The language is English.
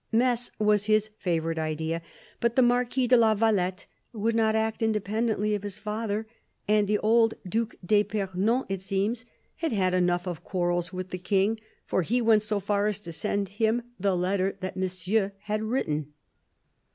Metz was his favourite idea ; but the Marquis de la Valette would not act independently of his father, and the old Due d'fipernon, it seems, had had enough of quarrels with the King, for he went so far as to send him the letter that Monsieur had written.